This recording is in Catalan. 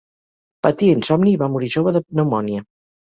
Patia insomni i va morir jove de pneumònia.